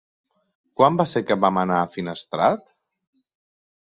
Quan va ser que vam anar a Finestrat?